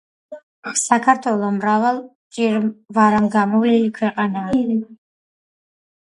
საქართველო მრავალ ჭირვარამგამოვლილი ქვეყანაა